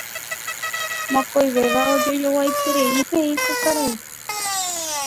Mokõivéva ojojoguaiterei heʼi ko karai.